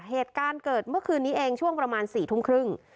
เหตุการณ์เกิดเมื่อคืนนี้เองช่วงประมาณ๔ทุ่มครึ่ง